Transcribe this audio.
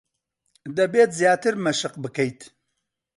دەبێت زیاتر مەشق بکەیت.